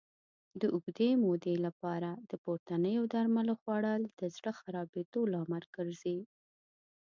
د اوږدې مودې لپاره د پورتنیو درملو خوړل د زړه خرابېدو لامل ګرځي.